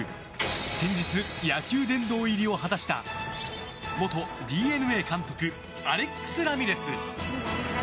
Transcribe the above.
先日、野球殿堂入りを果たした元ＤｅＮＡ監督アレックス・ラミレス。